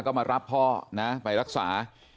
ก็มารับพ่อนะไปรักษา